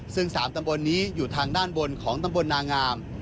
ซึ่ง๓ตำบลนี้อยู่ทางด้านบนของตำบลนางาม